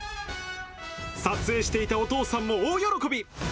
撮影していたお父さんも大喜び。